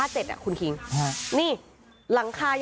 คือตอนที่แม่ไปโรงพักที่นั่งอยู่ที่สพ